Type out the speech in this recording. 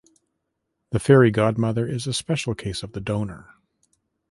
The fairy godmother is a special case of the donor.